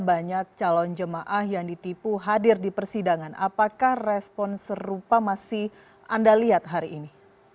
banyak calon jemaah yang ditipu hadir di persidangan apakah respon serupa masih anda lihat hari ini